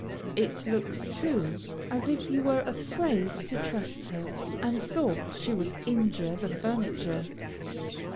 It looks, too, as if you were afraid to trust her, and thought she would injure the furniture.